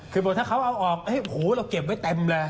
คือบอกถ้าเขาเอาออกหูเราเก็บไว้เต็มเลย